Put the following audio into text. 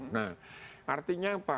nah artinya apa